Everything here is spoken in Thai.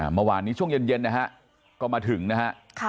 เมื่อวานนี้ช่วงเย็นนะฮะก็มาถึงนะฮะ